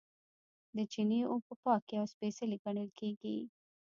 د چینې اوبه پاکې او سپیڅلې ګڼل کیږي.